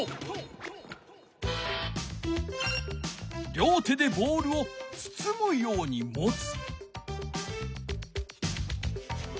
両手でボールをつつむように持つ。